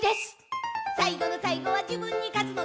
「さいごのさいごはじぶんにかつのだ」